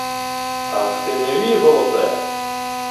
— Ах ти, невіголосе!..